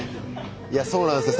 いやそうなんですよ